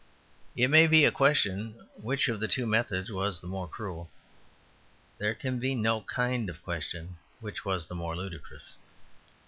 It may be a question which of the two methods was the more cruel; there can be no kind of question which was the more ludicrous.